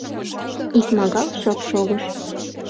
Икмагал шып шогыш.